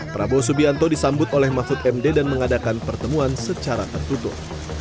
prabowo subianto disambut oleh mahfud md dan mengadakan pertemuan secara tertutup